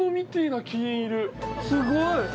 すごい！